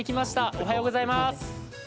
おはようございます。